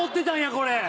これ。